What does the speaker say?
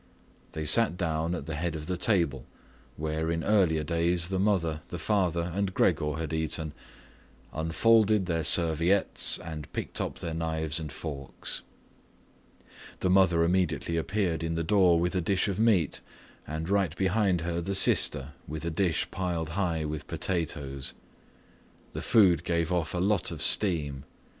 They sat down at the head of the table, where in earlier days the mother, the father, and Gregor had eaten, unfolded their serviettes, and picked up their knives and forks. The mother immediately appeared in the door with a dish of meat and right behind her the sister with a dish piled high with potatoes. The food gave off a lot of steam.